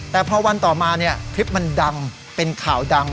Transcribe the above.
แต่พอวันต่อมาเนี่ยคลิปมันดังเป็นข่าวดัง